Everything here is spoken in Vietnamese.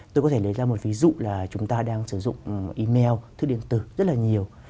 tôi có thể lấy ra một ví dụ là chúng ta đang sử dụng email thư điện tử rất là nhiều